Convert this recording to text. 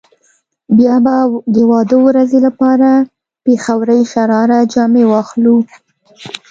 بيا به د واده ورځې لپاره پيښورۍ شراره جامې واخلو.